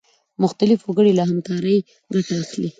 مختلف وګړي له همکارۍ ګټه اخلي.